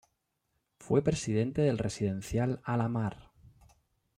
Fue presidente del residencial Alamar.